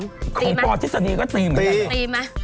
ตีมั้ยตีมั้ยของพอทฤษฎีก็ตีเหมือนกัน